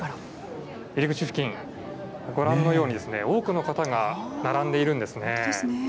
入り口付近、ご覧のように多くの方が並んでいるんですね。